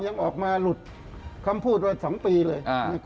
ยังออกมาหลุดคำพูดไว้๒ปีเลย